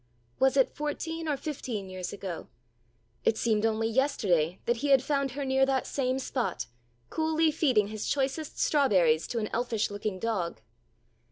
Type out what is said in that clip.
Was it fourteen or fifteen years ago? It seemed only yesterday that he had found her near that same spot coolly feeding his choicest strawberries to an elfish looking dog.